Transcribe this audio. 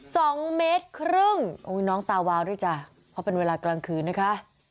สองเมตรครึ่งโอ้ยน้องตาวาวด้วยจ้ะเพราะเป็นเวลากลางคืนนะคะ